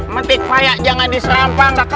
metik payah jangan diserampang